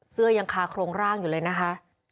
เสื้อยังคาโครงร่างอยู่เลยนะคะ